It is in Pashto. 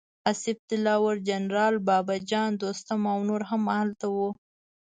اصف دلاور، جنرال بابه جان، دوستم او نور هم هلته وو.